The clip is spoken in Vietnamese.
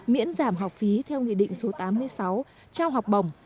miễn giảm học phí theo nghị định số tám mươi sáu trao học bổng